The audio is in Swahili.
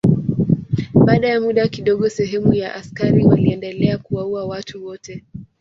Baada ya muda kidogo sehemu ya askari waliendelea kuwaua watu wote.